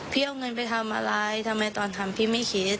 เอาเงินไปทำอะไรทำไมตอนทำพี่ไม่คิด